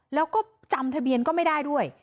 แล้วก็จำทะเบียนก็ไม่ได้ด้วย